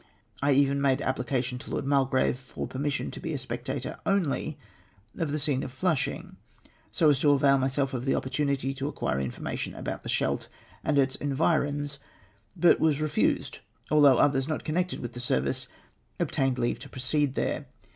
I even made an application to Lord Mulgrave for permission to be a spectator only of the scene of Flushing, so as to avail myself of the opportunity to acquire information about the Scheldt and its environs, but was refused, although others not connected with the service obtained leave to proceed there.